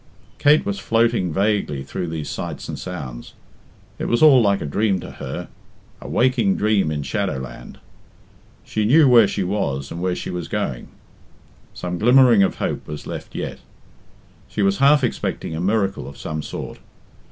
Kate was floating vaguely through these sights and sounds. It was all like a dream to her a waking dream in shadow land. She knew where she was and where she was going. Some glimmering of hope was left yet. She was half expecting a miracle of some sort.